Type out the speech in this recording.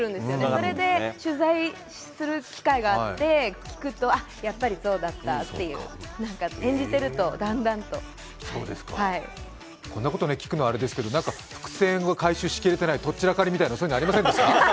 それで取材する機会があって聞くと、やっぱりそうだったっていう、演じてるとだんだんと。こんなこと聞くのはあれですけど伏線が回収し切れてないとっちらかりとかありませんでした？